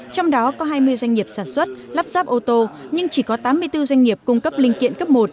trong đó có hai mươi doanh nghiệp sản xuất lắp ráp ô tô nhưng chỉ có tám mươi bốn doanh nghiệp cung cấp linh kiện cấp một